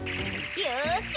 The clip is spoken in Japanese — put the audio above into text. よし！